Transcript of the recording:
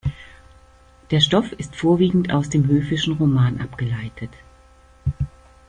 Der Stoff ist vorwiegend aus dem höfischen Roman abgeleitet.